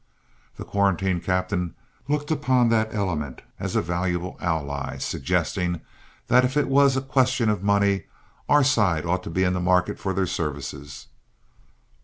The quarantine captain looked upon that element as a valuable ally, suggesting that if it was a question of money, our side ought to be in the market for their services.